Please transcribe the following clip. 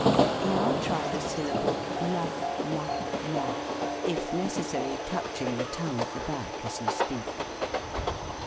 Now try the syllable /a, /a, /a, if necessary, touching the tongue at the back as you speak.